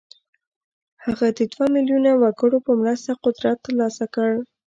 هغه د دوه ميليونه وګړو په مرسته قدرت ترلاسه کړ.